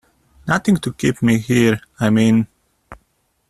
Nothing to keep me here, I mean.